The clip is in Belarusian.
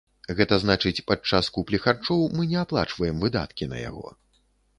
Гэта значыць, падчас куплі харчоў мы не аплачваем выдаткі на яго.